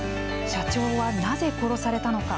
社長はなぜ殺されたのか。